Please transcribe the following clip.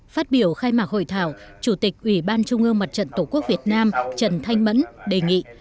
phát biểu khai mạc hội thảo chủ tịch ủy ban trung ương mặt trận tổ quốc việt nam trần thanh mẫn đề nghị